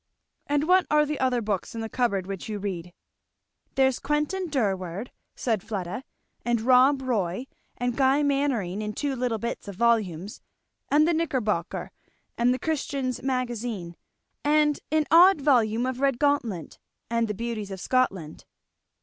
"And what are the other books in the cupboard, which you read?" "There's Quentin Durward," said Fleda, "and Rob Roy, and Guy Mannering in two little bits of volumes; and the Knickerbocker, and the Christian's Magazine, and an odd volume of Redgauntlet, and the Beauties of Scotland."